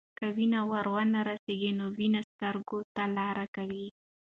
که وینې ور ونه رسیږي، نو وینې سترګو ته لارې کوي.